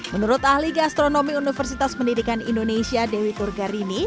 menurut ahli gastronomi universitas pendidikan indonesia dewi turgarini